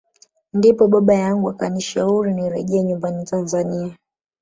Ndipo baba yangu akanishauri nirejee nyumbani Tanzania